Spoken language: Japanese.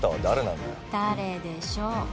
誰でしょう？